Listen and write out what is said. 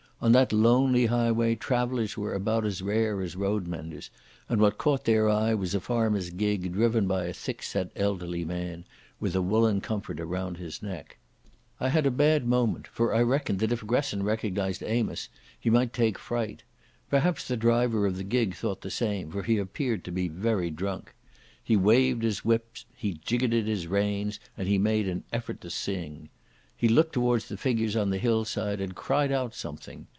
On that lonely highway travellers were about as rare as roadmenders, and what caught their eye was a farmer's gig driven by a thick set elderly man with a woollen comforter round his neck. I had a bad moment, for I reckoned that if Gresson recognised Amos he might take fright. Perhaps the driver of the gig thought the same, for he appeared to be very drunk. He waved his whip, he jiggoted the reins, and he made an effort to sing. He looked towards the figures on the hillside, and cried out something.